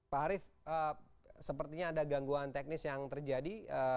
pak harif sepertinya ada gangguan teknis yang terjadi